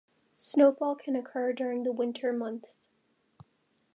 Snowfall can occur during the winter months.